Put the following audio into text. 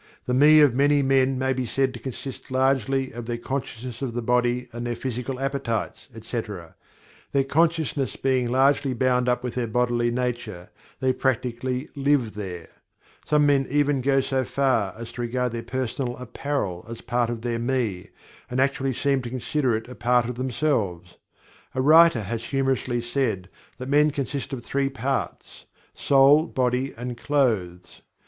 The "Me" of many men may be said to consist largely of their consciousness of the body and their physical appetites, etc. Their consciousness being largely bound up with their bodily nature, they practically "live there." Some men even go so far as to regard their personal apparel as a part of their "Me" and actually seem to consider it a part of themselves. A writer has humorously said that "men consist of three parts soul, body and clothes."